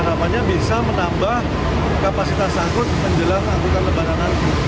tanamannya bisa menambah kapasitas angkut menjelang angkutan lebaran